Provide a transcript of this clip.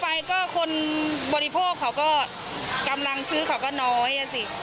ถ้าขึ้นเยอะไปก็คนบริโภคเขาก็กำลังซื้อเขาก็น้อยสิ